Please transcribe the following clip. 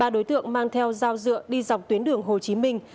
ba đối tượng mang theo dao dựa đi dọc tuyến đường hồ chí minh